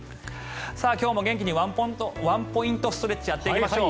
今日も元気にワンポイントストレッチやっていきましょう。